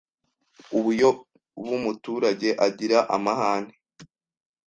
Ubuyo bumuturage agira amahane